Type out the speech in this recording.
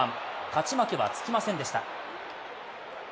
勝ち負けはつきませんでした。